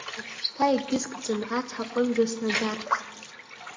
Уажәшьҭа егьысгӡам ацҳаҟынӡа снаӡарц…